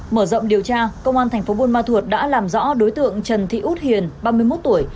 mở rộng điều tra công an thành phố buôn ma thuột đã làm rõ đối tượng trần thị út hiền ba mươi một tuổi